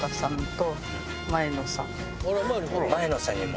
前野さんにも？